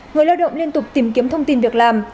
người lao động liên tục tìm kiếm thông tin việc làm